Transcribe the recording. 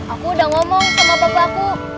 aku udah ngomong sama bapakku